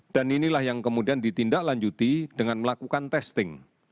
dan inilah yang kemudian ditindaklanjuti dengan melakukan posting